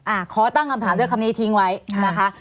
อ่าขอตั้งคำถามด้วยคำนี้ทิ้งไว้นะคะ